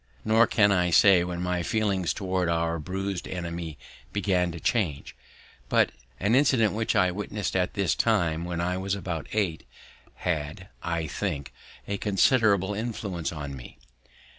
Nor can I say when my feelings towards our bruised enemy began to change; but an incident which I witnessed at this time, when I was about eight, had, I think, a considerable influence on me.